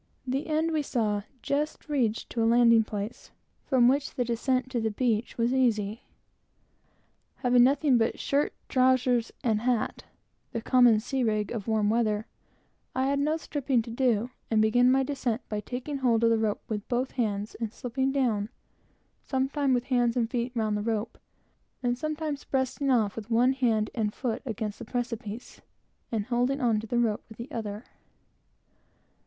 The end, we saw, just reached to a landing place, from which the descent to the beach was easy. Having nothing on but shirt, trowsers, and hat, the common sea rig of warm weather, I had no stripping to do, and began my descent, by taking hold of the rope in each hand, and slipping down, sometimes with hands and feet round the rope, and sometimes breasting off with one hand and foot against the precipice, and holding on to the rope with the other.